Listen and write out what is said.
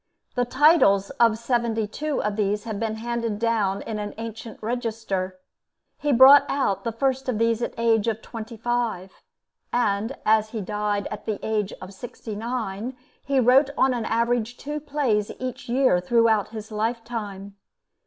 The titles of seventy two of these have been handed down in an ancient register. He brought out the first of these at the age of twenty five, and as he died at the age of sixty nine, he wrote on an average two plays each year throughout his lifetime.